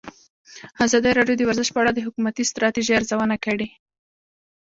ازادي راډیو د ورزش په اړه د حکومتي ستراتیژۍ ارزونه کړې.